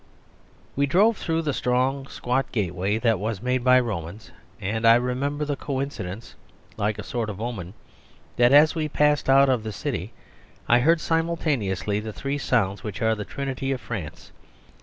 We drove through the strong, squat gateway that was made by Romans, and I remember the coincidence like a sort of omen that as we passed out of the city I heard simultaneously the three sounds which are the trinity of France.